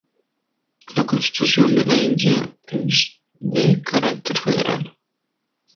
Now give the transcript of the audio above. La Constitución de la India es de carácter federal.